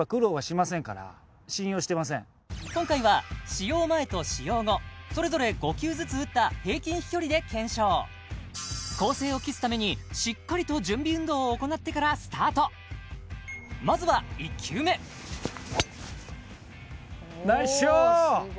今回は使用前と使用後それぞれ５球ずつ打った平均飛距離で検証公正を期すためにしっかりと準備運動を行ってからスタートまずはナイスショット！